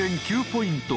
９．９ポイント